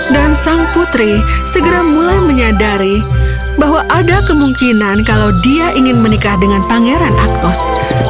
dan sang putri segera mulai menyadari bahwa ada kemungkinan kalau dia ingin menikah dengan pangeran agnus